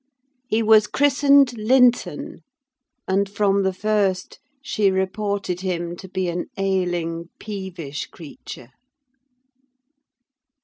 He was christened Linton, and, from the first, she reported him to be an ailing, peevish creature.